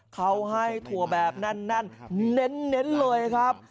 เขาให้ถั่วแบบแน่นเน้นเลยครับ